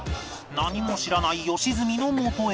何も知らない良純のもとへ